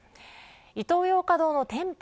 イトーヨーカ堂の店舗